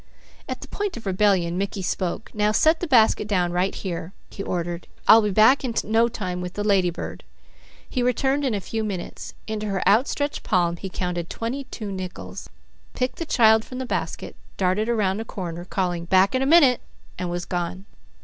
At the point of rebellion, Mickey spoke. "Now set the basket down right here," he ordered. "I'll be back in no time with the lady bird." He returned in a few minutes. Into her outstretched palm he counted twenty two nickels, picked the child from the basket, darted around a corner calling, "Back in a minute," and was gone.